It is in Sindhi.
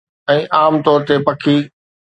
۽ عام طور تي پکي